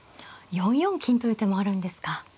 ４四金という手もあるんですか。